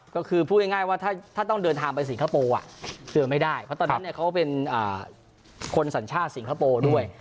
ก็คือพูดง่ายว่าถ้าต้องเดินทางไปสิงคโปร์เจอไม่ได้เพราะตอนนั้นเขาเป็นคนสัญชาติสิงคโปร์ด้วย